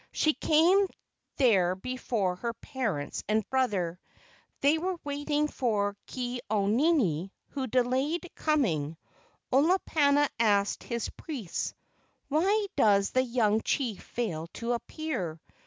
She came there before her parents and brother. They were waiting for Ke au nini, who delayed com¬ ing. Olopana asked his priests: "Why does the young chief fail to appear?